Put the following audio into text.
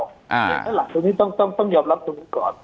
แล้วหลังจากนี้ต้องยอมรับตรงนี้ก่อน